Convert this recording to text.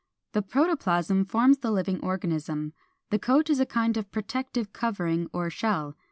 The protoplasm forms the living organism; the coat is a kind of protective covering or shell.